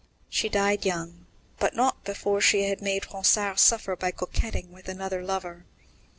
She died young, but not before she had made Ronsard suffer by coquetting with another lover.